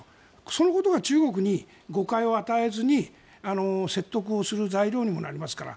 そのことが中国に誤解を与えずに説得をする材料にもなりますから。